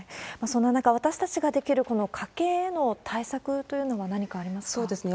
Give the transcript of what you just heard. そんな中、私たちができる、この家計への対策というのは何かありますか？